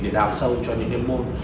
để đào sâu cho những cái môn